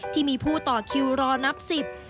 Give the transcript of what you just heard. ที่มีผู้ต่อคิวรอนับสิบ